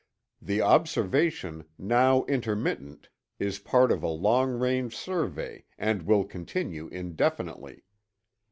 The observation, now intermittent, is part of a long range survey and will continue indefinitely.